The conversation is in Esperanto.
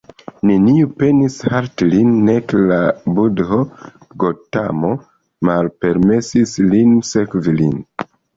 Neniu penis halti lin, nek la budho Gotamo malpermesis lin sekvi lin.